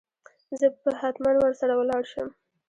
زه به هتمن ور سره ولاړ شم.